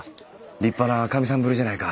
立派なかみさんぶりじゃないか。